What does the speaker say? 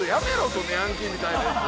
そのヤンキーみたいなやつ。